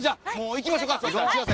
行きましょう！